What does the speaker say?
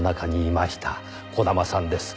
児玉さんです。